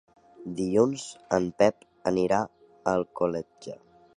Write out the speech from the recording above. Dilluns en Pep anirà a Alcoletge.